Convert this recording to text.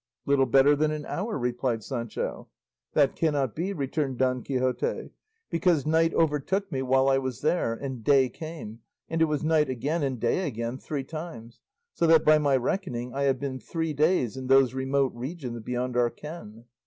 "Little better than an hour," replied Sancho. "That cannot be," returned Don Quixote, "because night overtook me while I was there, and day came, and it was night again and day again three times; so that, by my reckoning, I have been three days in those remote regions beyond our ken."